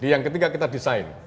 yang ketiga kita design